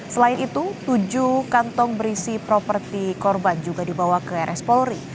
selain itu tujuh kantong berisi properti korban juga dibawa ke rs polri